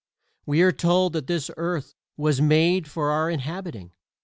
We are told that this earth was made for our inhabiting.